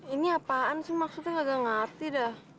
ini apaan sih maksudnya nggak ngerti dah